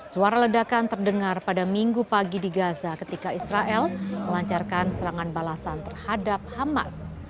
suara ledakan terdengar pada minggu pagi di gaza ketika israel melancarkan serangan balasan terhadap hamas